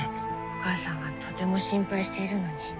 お母さんはとても心配しているのに。